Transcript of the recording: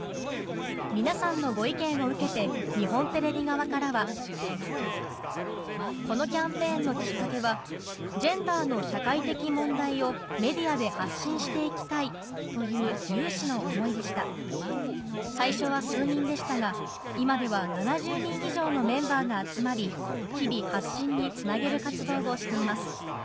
皆さんのご意見を受けて日本テレビ側からは「このキャンペーンのきっかけは『ジェンダーの社会的問題をメディアで発信して行きたい』という有志の思いでした」「最初は数人でしたが今では７０人以上のメンバーが集まり日々発信につなげる活動をしています」